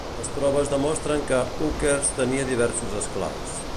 Les proves demostren que Hookers tenia diversos esclaus.